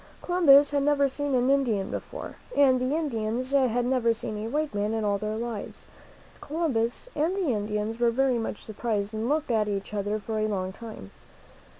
Columbus had never seen an Indian before, and the Indians had never seen a white man in all their lives. So both Columbus and the Indians were very much surprised and looked at each other for a long time.